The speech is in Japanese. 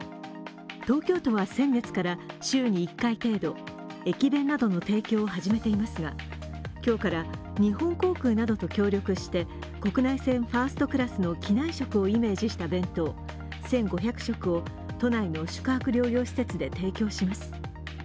東京都は先月から週に１回程度、駅弁などの提供を始めていますが、今日から日本航空などと協力して、国内線ファーストクラスの機内食をイメージした弁当１５００食を都内の宿泊療養施設で提供します。